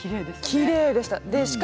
きれいでした。